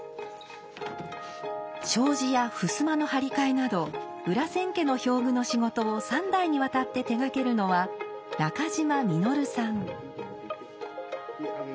障子やふすまの張り替えなど裏千家の表具の仕事を三代にわたって手がけるのは中島實さん。